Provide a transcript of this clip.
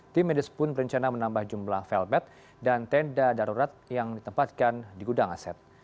tim medis pun berencana menambah jumlah felbet dan tenda darurat yang ditempatkan di gudang aset